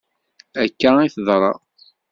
Akka i d-teḍra.